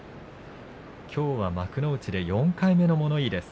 きょう、幕内で４回目の物言いです。